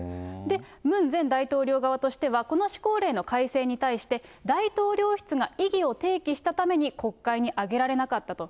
ムン前大統領側としては、この施行令の改正に対して、大統領室が異議を提起したために、国会に上げられなかったと。